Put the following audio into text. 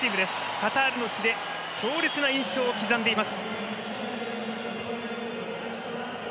カタールの地で強烈な印象を刻んでいます。